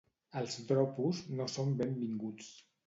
Els dropos no són benvinguts.